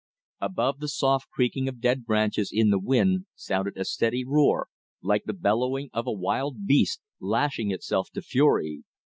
Above the soft creaking of dead branches in the wind sounded a steady roar, like the bellowing of a wild beast lashing itself to fury.